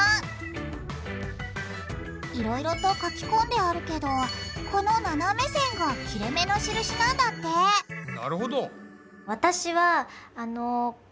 いろいろと書き込んであるけどこのななめ線が切れめの印なんだってなるほど！